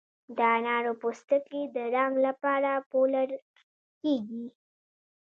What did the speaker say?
د انارو پوستکي د رنګ لپاره پلورل کیږي؟